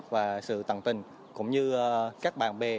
và sự tận tình cũng như các bạn bè